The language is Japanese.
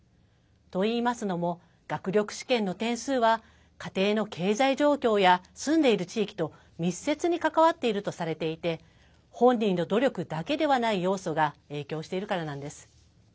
といいますのも学力試験の点数は家庭の経済状況や住んでいる地域と密接に関わっているとされていて本人の努力だけではない要素が影響しているからなんです。